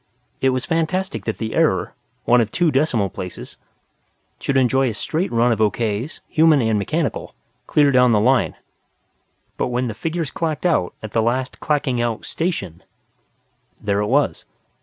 It was fantastic that the error one of two decimal places should enjoy a straight run of okays, human and mechanical, clear down the line; but when the figures clacked out at the last clacking out station, there it was.